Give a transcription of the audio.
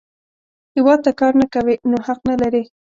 هیواد ته کار نه کوې، نو حق نه لرې